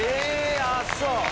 あっそう。